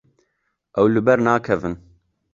Ew li ber nakevin.